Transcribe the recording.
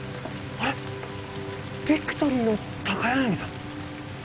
あれビクトリーの高柳さん